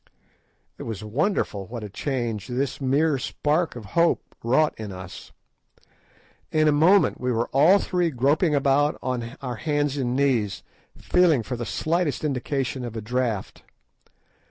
It was wonderful what a change this mere spark of hope wrought in us. In a moment we were all three groping about on our hands and knees, feeling for the slightest indication of a draught.